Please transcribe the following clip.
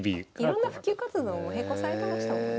いろんな普及活動も並行されてましたもんね。